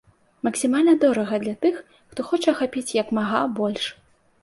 Максімальна дорага для тых, хто хоча ахапіць як мага больш.